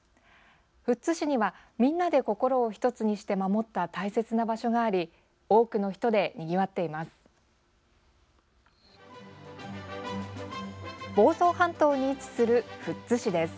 富津市にはみんなで心を一つにして守った大切な場所があり多くの人でにぎわっています。